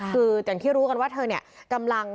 คืออย่างที่รู้กันว่าเธอเนี่ยกำลัง